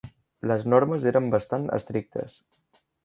Les normes eren bastant estrictes.